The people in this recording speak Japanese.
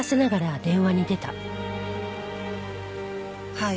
はい。